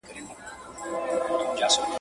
یا مېړونه بدل سوي یا اوښتي دي وختونه.